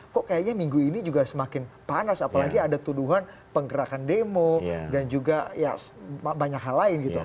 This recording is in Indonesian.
kok kayaknya minggu ini juga semakin panas apalagi ada tuduhan penggerakan demo dan juga ya banyak hal lain gitu